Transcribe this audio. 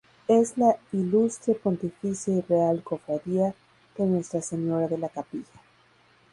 Es la "Ilustre, Pontificia y Real Cofradía de Nuestra Señora de la Capilla.